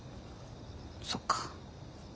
そっか。